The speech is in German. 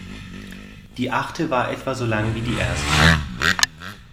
Die achte war etwa so lang wie die erste.